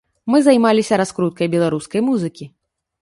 Мы займаліся раскруткай беларускай музыкі.